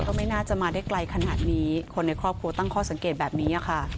ก็ไม่น่าจะมาได้ไกลขนาดนี้คนในครอบครัวตั้งข้อสังเกตแบบนี้ค่ะ